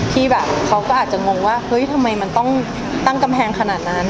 ที่แบบเขาก็อาจจะงงว่าเฮ้ยทำไมมันต้องตั้งกำแพงขนาดนั้น